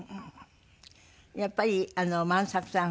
やっぱり万作さん